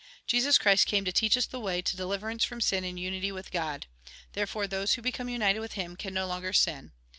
Jesus Christ came to teach us the way to deliver ance from sin and unity with God. Therefore those who become united with Him can no longer sin.